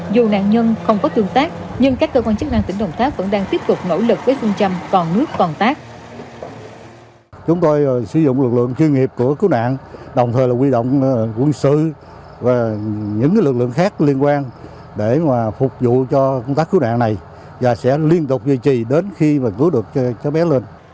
dù nạn nhân không có tương tác nhưng các cơ quan chức năng tỉnh đồng tháp vẫn đang tiếp tục nỗ lực với phương châm còn nước còn tác